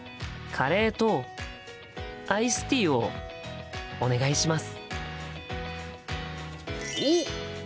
「カレーとアイスティーをお願いします」。